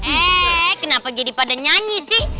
eh kenapa jadi pada nyanyi sih